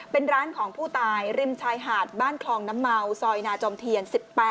เป็นร้านของผู้ตายริมชายหาดบ้านคลองน้ำเมาซอยนาจอมเทียน๑๘